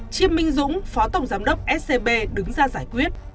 chiêm minh dũng phó tổng giám đốc scb đứng ra giải quyết